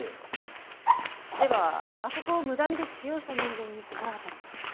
ではあそこを無断で使用した人間に心当たりは？